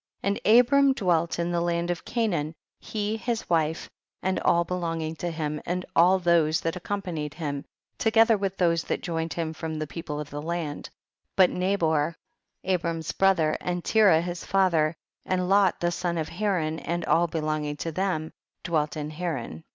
10. And Abram dwelt in the land of Canaan, he, his wife, and all be longing to him, and all those that ac companied him, together with those that joined him from the people of the land ; but Nabor, Abram's brother, and Tcrah his father, and liOt the son of Haran and all belonging to them dwelt in Haran.